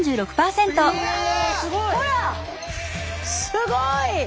すごい。